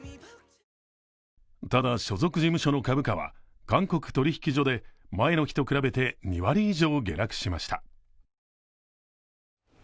ただ所属事務所の株価は韓国取引所で前の日と比べて２割以上下落しました。